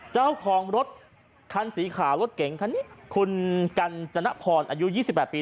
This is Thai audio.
เจ้าของรถคันสีขาวรถเก๋งคันนี้คุณกัญจนพรอายุ๒๘ปี